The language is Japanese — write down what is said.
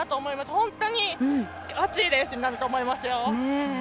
本当に熱いレースになると思いますよ。